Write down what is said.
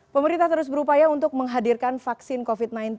pemerintah terus berupaya untuk menghadirkan vaksin covid sembilan belas